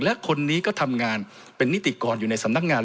และคนนี้ก็ทำงานเป็นนิติกรอยู่ในสำนักงาน